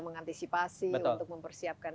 mengantisipasi untuk mempersiapkan